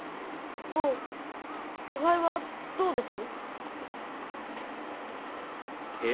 坊具合はどうです？